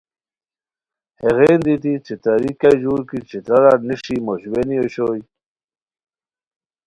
ہیغین دیتی ݯھتراری کیہ ژور کی ݯھترارار نیسی موش وینی اوشوئے